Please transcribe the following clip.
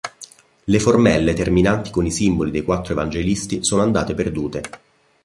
Le formelle terminanti con i simboli dei Quattro Evangelisti, sono andate perdute.